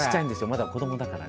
まだ子どもだから。